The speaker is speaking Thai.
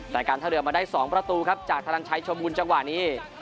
แต่การท่าเรือมาได้๒ประตูครับจากธนันชัยชมบุญจังหวะนี้